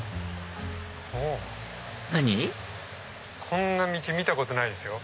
こんな道見たことないですよ